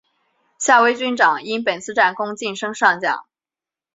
夏威军长因本次战功晋升上将。